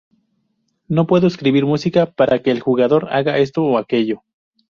No puedo escribir música para que el jugador haga esto o aquello.